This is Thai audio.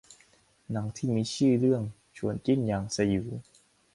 หนังที่มีชื่อเรื่องชวนจิ้นอย่างสยิว